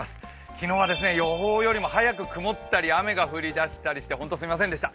昨日は予報よりも早く曇ったり雨が降りだしたりして本当すみませんでした。